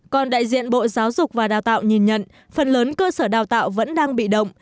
còn đại diện bộ giáo dục và đào tạo nhìn nhận phần lớn cơ sở đào tạo vẫn đang bị động